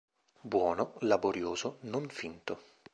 Buono, laborioso, non finto.